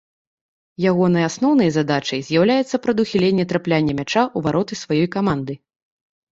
Ягонай асноўнай задачай з'яўляецца прадухіленне трапляння мяча ў вароты сваёй каманды.